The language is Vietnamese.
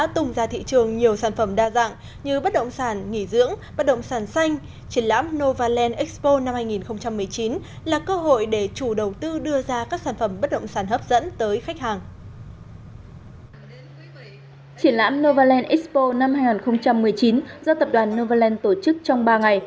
triển lãm novaland expo năm hai nghìn một mươi chín do tập đoàn novaland tổ chức trong ba ngày